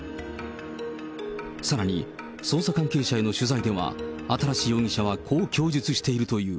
さらに、捜査関係者への取材では、新容疑者はこう供述しているという。